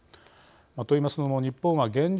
と言いますのも日本は現状